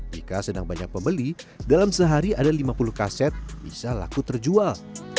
jika sedang banyak pembeli dalam sehari ada lima puluh kaset bisa laku terjual